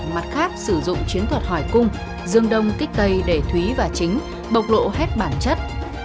mặt khác sử dụng chiến thuật hỏi cung dương đông kích tây để thúy và chính bộc lộ hết bản chất